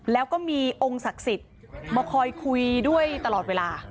แล้วก็มีองค์ศักดิ์สิทธิ์มาคอยคุยด้วยตลอดเวลา